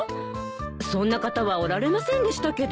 そんな方はおられませんでしたけど。